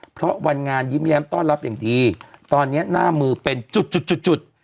เพราะวันงานยิ้มแย้มต้อนรับอย่างดีตอนนี้หน้ามือเป็นจุดจุด